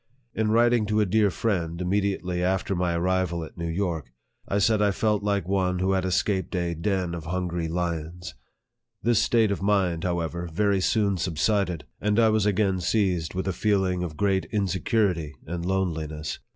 In writing to a dear friend, immediately after my arrival at New York, I said I felt like one who had escaped a den of hungry lions. This state of mind, however, very soon subsided ; and I was again seized with a feeling of great 108 NARRATIVE OF THE insecurity and loneliness.